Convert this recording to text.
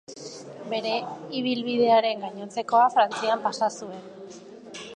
Bere ibilbidearen gainontzekoa Frantzian pasa zuen.